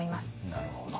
なるほど。